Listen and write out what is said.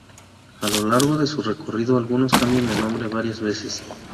A lo largo de su recorrido, algunos cambian de nombre varias veces.